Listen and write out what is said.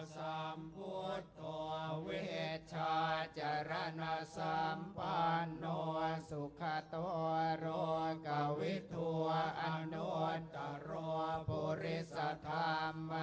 สารทิสันทะเทวะมนุนนางพุทธโทพักขวาตาธรรม